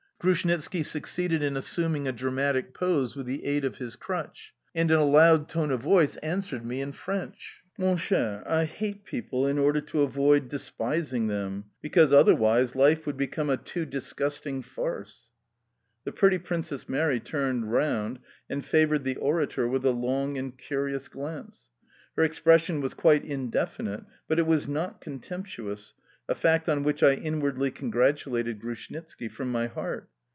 Grushnitski succeeded in assuming a dramatic pose with the aid of his crutch, and in a loud tone of voice answered me in French: "Mon cher, je hais les hommes pour ne pas les mepriser, car autrement la vie serait une farce trop degoutante." The pretty Princess Mary turned round and favoured the orator with a long and curious glance. Her expression was quite indefinite, but it was not contemptuous, a fact on which I inwardly congratulated Grushnitski from my heart.